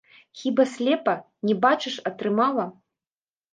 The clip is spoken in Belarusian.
Хіба слепа, не бачыш, атрымала.